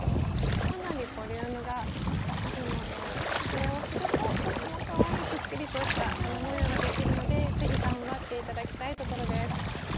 かなりボリュームがあるのでこれをするととってもかわいいぷっくりとした花模様ができるので是非頑張って頂きたいところです。